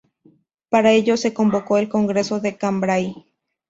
Para ello se convocó el Congreso de Cambrai.